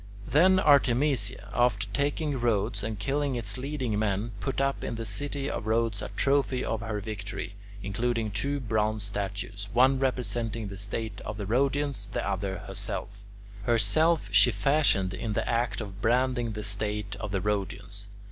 Then Artemisia, after taking Rhodes and killing its leading men, put up in the city of Rhodes a trophy of her victory, including two bronze statues, one representing the state of the Rhodians, the other herself. Herself she fashioned in the act of branding the state of the Rhodians.